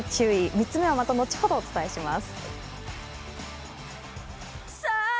３つ目はまた後ほどお伝えします。